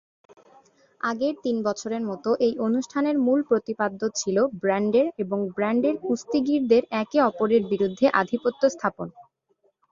আগের তিন বছরের মতো, এই অনুষ্ঠানের মূল প্রতিপাদ্য ছিল ব্র্যান্ডের এবং ব্র্যান্ডের কুস্তিগীরদের একে অপরের বিরুদ্ধে আধিপত্য স্থাপন।